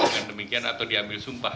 dengan demikian atau diambil sumpah